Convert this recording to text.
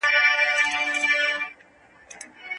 موږ باید ښوونځي وساتو.